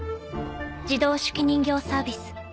自動手記人形サービス。